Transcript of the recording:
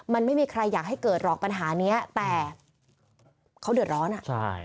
มันไม่มีใครอยากให้เกิดหรอกปัญหาเนี้ยแต่เขาเดือดร้อนอ่ะใช่